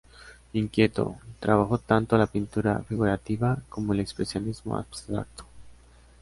Inquieto, trabajó tanto la pintura figurativa, como el expresionismo abstracto.